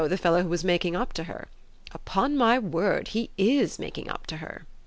the fellow who was making up to her. Upon my word he IS making up to her!"